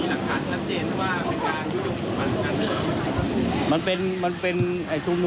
มีหลักฐานชัดเจนว่าเป็นการยุ่งปกปั่นกันหรือเปล่า